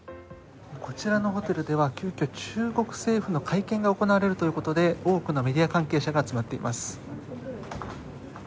こちらのホテルでは急きょ、中国政府の会見が行われるということで多くのメディア関係者が集まっています。